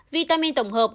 vitamin tổng hợp